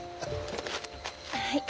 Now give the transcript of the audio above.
はい。